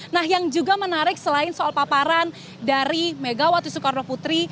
nah yang juga menarik selain soal paparan dari megawati soekarno putri